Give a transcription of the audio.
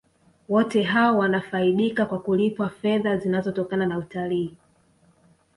wote hao wanafaidika kwa kulipwa fedha zinazotokana na utalii